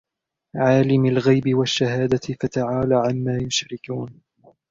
عَالِمِ الْغَيْبِ وَالشَّهَادَةِ فَتَعَالَى عَمَّا يُشْرِكُونَ